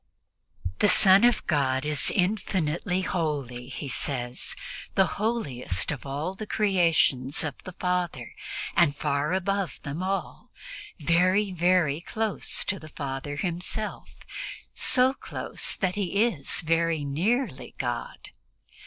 The Son of God is infinitely holy, he says, the holiest of all the creations of the Father and far above them all. Very, very close to the Father Himself, so close that He is very nearly God.